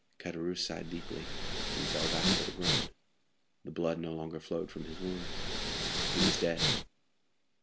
Caderousse sighed deeply, and fell back with a groan. The blood no longer flowed from his wounds. He was dead.